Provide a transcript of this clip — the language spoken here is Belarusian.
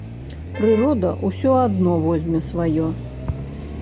Прырода ўсё адно возьме сваё.